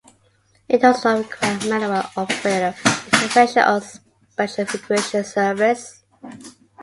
It does not require manual operator intervention or special configuration servers.